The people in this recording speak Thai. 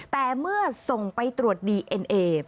แต่เมื่อส่งไปตรวจดีเอ็นเอ